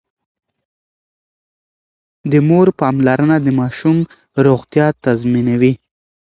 د مور پاملرنه د ماشوم روغتيا تضمينوي.